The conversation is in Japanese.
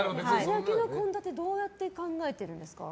献立はどうやって考えてるんですか？